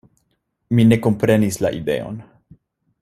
Mi ne komprenis la ideon.